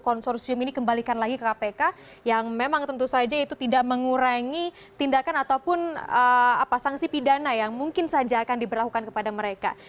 konsorsium ini kembalikan lagi ke kpk yang memang tentu saja itu tidak mengurangi tindakan ataupun sanksi pidana yang mungkin saja akan diberlakukan kepada mereka